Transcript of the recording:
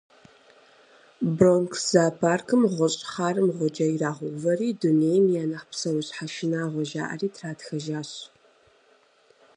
Бронкс зоопаркым гъущӏ хъарым гъуджэ ирагъэувэри «Дунейм я нэхъ псэущхьэ шынагъуэ» жаӏэри тратхэжащ.